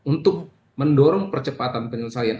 untuk mendorong percepatan penyelesaian